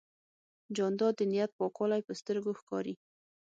جانداد د نیت پاکوالی په سترګو ښکاري.